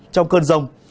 trong cơn rông